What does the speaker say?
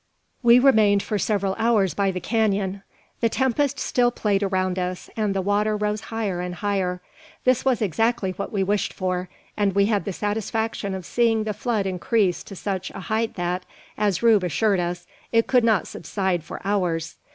We remained for several hours by the canon. The tempest still played around us, and the water rose higher and higher. This was exactly what we wished for; and we had the satisfaction of seeing the flood increase to such a height that, as Rube assured us, it could not subside for hours.